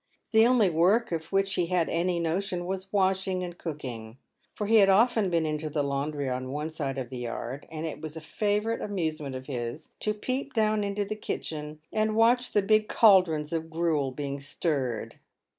The only work of which he had any notion was washing and cooking ; for he had often been into the laundry on one side of the yard, and it was a favourite amusement of his to peep down into the kitchen and watch the big cauldrons of gruel being stirred.